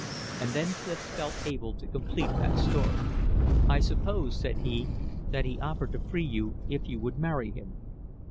And then Clif felt able to complete that story. "I suppose," said he, "that he offered to free you if you would marry him."